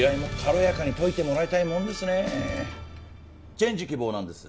チェンジ希望なんです